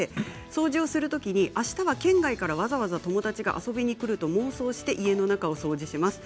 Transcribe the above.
掃除をするときにあしたは県外からわざわざ友達が遊びに来る、と妄想して家の中を掃除します。